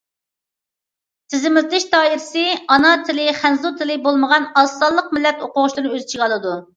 تىزىملىتىش دائىرىسى ئانا تىلى خەنزۇ تىلى بولمىغان ئاز سانلىق مىللەت ئوقۇغۇچىلىرىنى ئۆز ئىچىگە ئالىدۇ.